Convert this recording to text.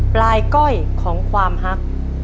ปลายก้อยของความฮัก